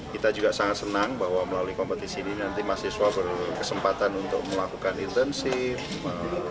kita juga sangat senang bahwa melalui kompetisi ini nanti mahasiswa berkesempatan untuk melakukan intensif